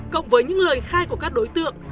cộng với những lời khai của các đối tượng